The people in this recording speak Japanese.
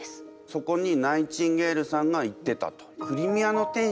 そこにナイチンゲールさんが行ってたと。